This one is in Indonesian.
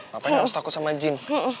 ngapain harus takut sama jin